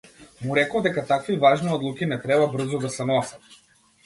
Му реков дека такви важни одлуки не треба брзо да се носат.